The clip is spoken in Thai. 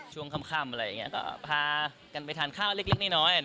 ช่วงค่ำอะไรอย่างนี้ก็พากันไปทานข้าวเล็กน้อย